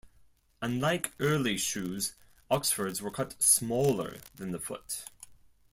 Unlike early shoes, Oxfords were cut smaller than the foot.